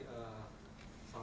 pak apa sih